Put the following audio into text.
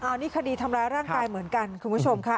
อันนี้คดีทำร้ายร่างกายเหมือนกันคุณผู้ชมค่ะ